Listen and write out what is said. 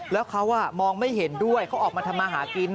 แล้วเขามองไม่เห็นด้วยเขาออกมาทำมาหากิน